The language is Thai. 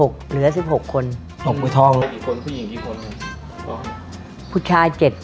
คุณพ่อมีลูกทั้งหมด๑๐ปี